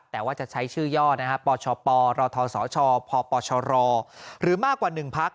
แต่ว่าจะใช้ชื่อย่อปชปรทศชพปชรหรือมากกว่า๑พัก